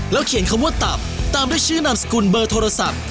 เขียนคำว่าตับตามด้วยชื่อนามสกุลเบอร์โทรศัพท์